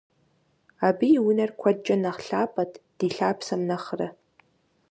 Абы и унэр куэдкӀэ нэхъ лъапӀэт ди лъапсэм нэхърэ.